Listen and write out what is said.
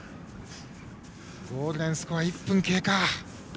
ゴールデンスコア、１分経過。